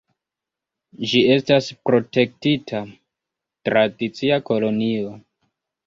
Ĝi estas protektita tradicia kolonio.